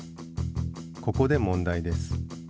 ここで問題です。